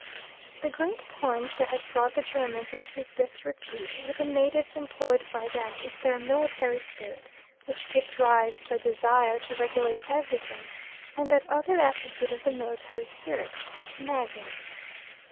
The great point that has brought the Germans into disrepute with the natives employed by them is their military spirit, which gives rise to a desire to regulate everything; and that other attribute of the military spirit, nagging.